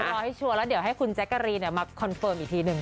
รอให้ชัวร์แล้วเดี๋ยวให้คุณแจ๊กกะรีนมาคอนเฟิร์มอีกทีหนึ่ง